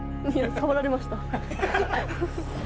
触られましたね。